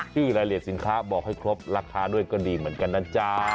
ชื่อรายละเอียดสินค้าบอกให้ครบราคาด้วยก็ดีเหมือนกันนะจ๊ะ